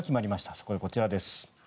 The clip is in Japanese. そこでこちらです。